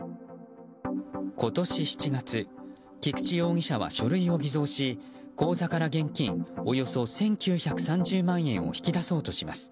今年７月、菊池容疑者は書類を偽造し口座から現金およそ１９３０万円を引き出そうとします。